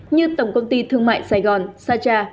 như tổng công ty thương mại sài gòn saja